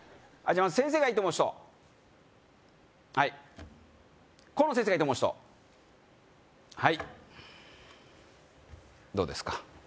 まず先生がいいと思う人はいコウノ先生がいいと思う人はいどうですか？